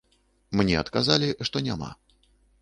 Мне адказалі, што няма.